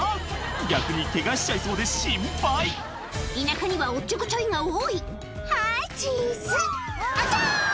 逆にケガしちゃいそうで心配田舎にはおっちょこちょいが多い「はいチーズ」「あちゃ」